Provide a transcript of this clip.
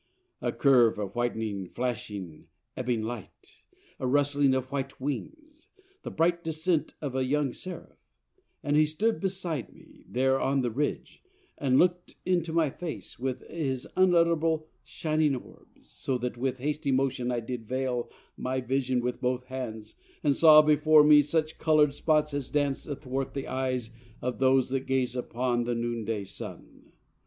A curve of whitening, flashing, ebbing light! A rustling of white wings! The bright descent Of a young Seraph! and he stood beside me There on the ridge, and look'd into my face With his unutterable, shining orbs, So that with hasty motion I did veil My vision with both hands, and saw before me Such colour'd spots as dance athwart the eyes Of those that gaze upon the noonday Sun.